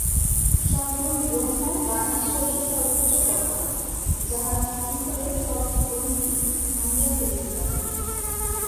সগুণ ব্রহ্ম বা ঈশ্বরই সর্বোচ্চ কল্পনা, যাহা শৃঙ্খলের সব গ্রন্থি ভাঙিয়া ফেলিতে পারে।